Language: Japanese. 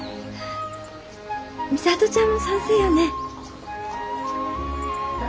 美里ちゃんも賛成よね。